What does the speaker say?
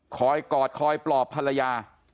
กอดคอยปลอบภรรยา